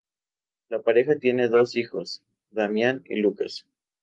La pareja tiene dos hijos, Damián y Lucas.